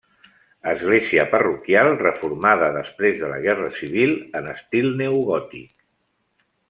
Església parroquial reformada després de la guerra civil en estil neogòtic.